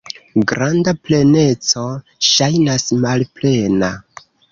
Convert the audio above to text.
Granda pleneco ŝajnas malplena.